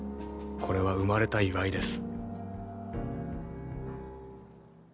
これは生まれた祝いです。